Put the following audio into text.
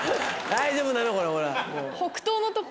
大丈夫なの？